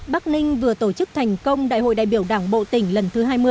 bắc ninh vừa tổ chức thành công đại hội đại biểu đảng bộ tỉnh lần thứ hai mươi